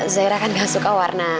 zaira kan gak suka warna